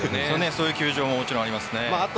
そういう球場ももちろんありますね。